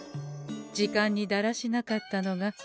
時間にだらしなかったのがう